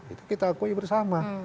itu kita akui bersama